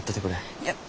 いや。